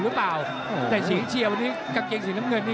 เอาละครับเกม